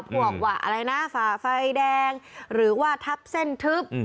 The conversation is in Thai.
พวกว่าอะไรนะฝ่าไฟแดงหรือว่าทับเส้นทึบ